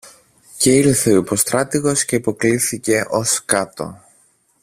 Και ήλθε ο υποστράτηγος και υποκλίθηκε ως κάτω.